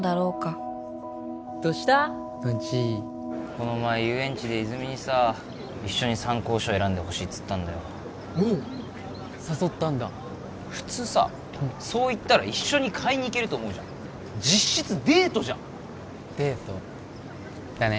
この前遊園地で泉にさ一緒に参考書選んでほしいっつったんだよおおっ誘ったんだ普通さそう言ったら一緒に買いに行けると思うじゃん実質デートじゃんデートだね